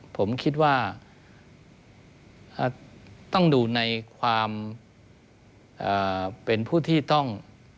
ผมคิดว่าต้องดูในความเป็นผู้ที่ต้อง